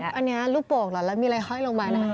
ชอบอันนี้รูปโปรกหรอแล้วมีอะไรเข้าให้เรามานะ